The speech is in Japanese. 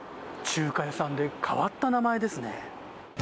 中華屋さんで変わった名前ですね。